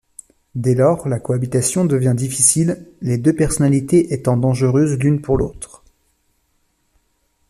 Dès lors, la cohabitation devient difficile, les deux personnalités étant dangereuses l'une pour l'autre.